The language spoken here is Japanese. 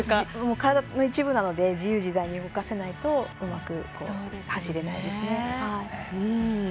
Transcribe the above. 体の一部なので自由自在に動かせないとうまく走れないですね。